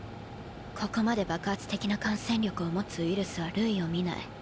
ここまで爆発的な感染力を持つウイルスは類を見ない。